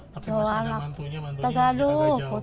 tapi masa ada mantunya mantunya agak jauh